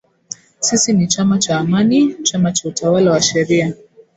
“Sisi ni chama cha Amani, chama cha utawala wa sheria."